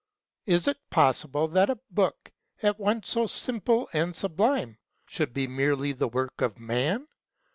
Is it possible that a book, at once so simple and sublime, should be merely the work of man